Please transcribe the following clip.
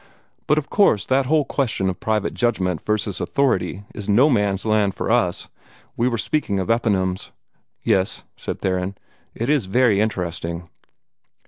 But of course that whole question of private judgment versus authority is No Man's Land for us. We were speaking of eponyms." "Yes," said Theron; "it is very interesting."